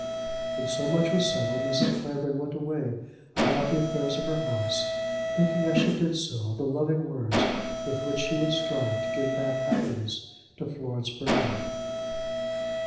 When so much was settled, Mrs. Clavering went away about the affairs of her house, thinking as she did so of the loving words with which she would strive to give back happiness to Florence Burton.